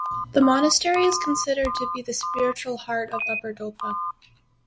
The monastery is considered to be the spiritual heart of Upper Dolpa.